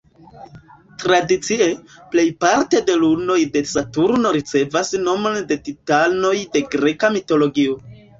Tradicie, plejparte de lunoj de Saturno ricevas nomon de titanoj de greka mitologio.